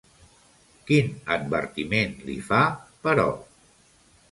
Quin advertiment li fa, però?